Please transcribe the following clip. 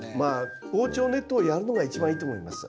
防鳥ネットをやるのが一番いいと思います。